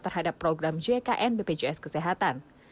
terhadap program jkn bpjs kesehatan